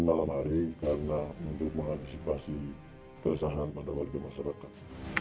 malam hari karena untuk mengantisipasi keresahan pada warga masyarakat